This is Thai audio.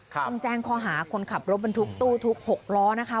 ต้องแจ้งข้อหาคนขับรถบรรทุกตู้ทุก๖ล้อนะคะ